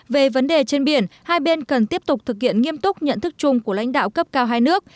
về vấn đề trên biển hai bên cần tiếp tục thực hiện nghiêm túc nhận thức chung của lãnh đạo cấp cao hai nước